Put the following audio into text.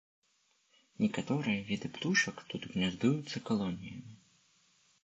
Некаторыя віды птушак тут гняздуюцца калоніямі.